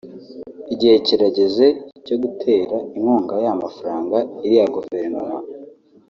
Igihe kirageze cyo gutera inkunga y’amafranga iriya guverinoma